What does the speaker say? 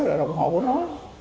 là đồng hồ của nó